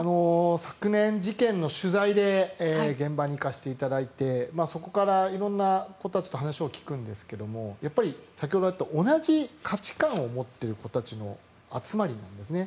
昨年、事件の取材で現場に行かしていただいてそこから色んな子たちと話を聞くんですが先ほどあった同じ価値観を持っている子たちの集まりなんですね。